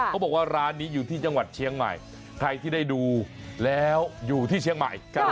เขาบอกว่าร้านนี้อยู่ที่จังหวัดเชียงใหม่ใครที่ได้ดูแล้วอยู่ที่เชียงใหม่